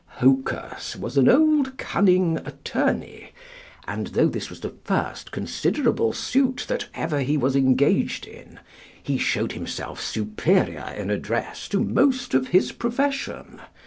Hocus was an old, cunning attorney; and though this was the first considerable suit that ever he was engaged in, he showed himself superior in address to most of his profession.